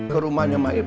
ke rumahnya maipa